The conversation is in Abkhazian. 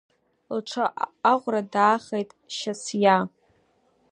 Лҽы аӷәра даахеит Шьасиа.